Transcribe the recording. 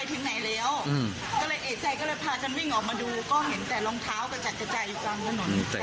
ก็เลยเอกใจว่าทำไมรถมันยางแตก